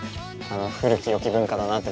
古きよき文化だなって